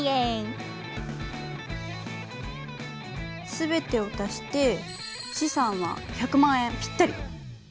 全てを足して資産は１００万円ぴったり。